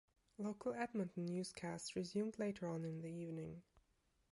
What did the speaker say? Local Edmonton newscasts resumed later on in the evening.